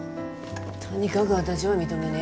とにかく私は認めね。